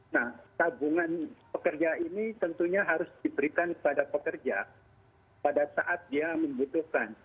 nah tabungan pekerja ini tentunya harus diberikan kepada pekerja pada saat dia membutuhkan